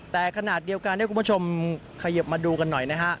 แต่ขณะเดียวกันให้คุณผู้ชมขยิบมาดูกันหน่อยนะฮะ